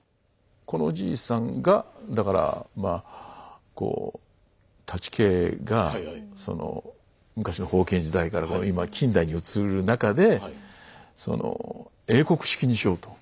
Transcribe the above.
このじいさんがだからまあこう舘家がその昔の封建時代から今近代に移る中でその英国式にしようと。